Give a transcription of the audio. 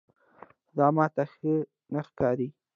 دا ماته ښه نه ښکاري.